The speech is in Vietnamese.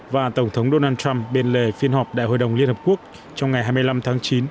và tổng thống donald trump bên lề phiên họp đại hội đồng liên hợp quốc trong ngày hai mươi năm tháng chín